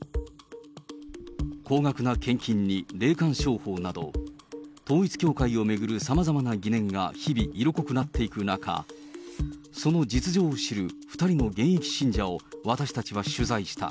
高額な献金に霊感商法など、統一教会を巡るさまざまな疑念が日々色濃くなっていく中、その実情を知る２人の現役信者を、私たちは取材した。